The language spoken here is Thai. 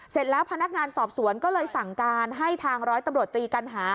เสร็จแล้วพนักงานสอบสวนก็เลยสั่งการให้ทางร้อยตำรวจตรีกัณหา